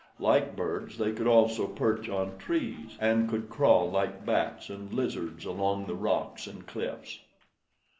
Like birds they could also perch on trees, and could crawl like bats and lizards along the rocks and cliffs.